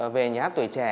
về nhát tuổi trẻ